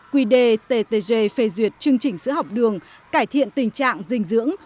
một nghìn ba trăm bốn mươi quy đề ttg phê duyệt chương trình sữa học đường cải thiện tình trạng dinh dưỡng